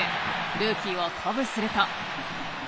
ルーキーを鼓舞すると。